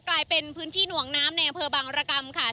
กลายเป็นพื้นที่หน่วงน้ำในอำเภอบังรกรรมค่ะ